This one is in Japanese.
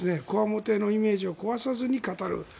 こわもてのイメージを壊さずに語る。